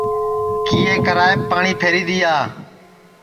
کیئے کرائیپ پاٹؔی پھری دؔیا